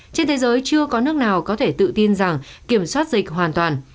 trên thế giới chưa có nước nào có thể tự tin rằng kiểm soát dịch hoàn toàn